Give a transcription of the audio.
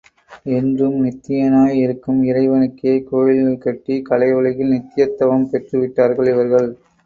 என்றும் நித்தியனாய் இருக்கும் இறைவனுக்கே கோயில்கள் கட்டி, கலை உலகில் நித்யத்வம் பெற்று விட்டார்கள் இவர்கள்.